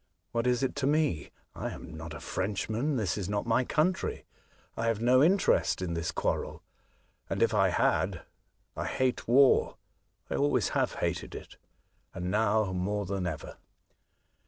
What is it to me? I am not a Frenchman ; this is not my country. I have no interest in this quarrel, and, if I had, I hate war ; I always have hated it, and now more than ever.